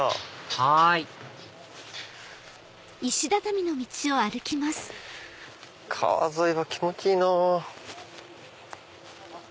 はい川沿いは気持ちいいな。